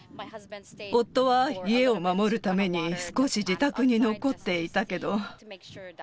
夫は家を守るために、少し自宅に残っていたけど。